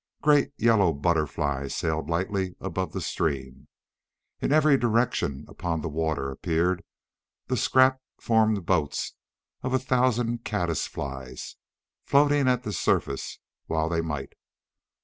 Great, yellow butterflies sailed lightly above the stream. In every direction upon the water appeared the scrap formed boats of a thousand caddis flies, floating at the surface while they might.